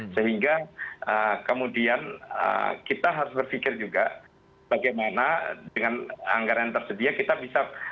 sehingga kemudian kita harus berpikir juga bagaimana dengan anggaran yang tersedia kita bisa